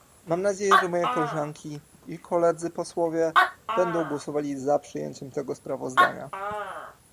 Mam nadzieję, że moje koleżanki i koledzy posłowie będą głosowali za przyjęciem tego sprawozdania